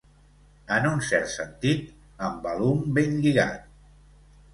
En un cert sentit, embalum ben lligat.